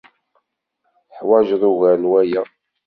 tuḥwaǧeḍ ugar n waya.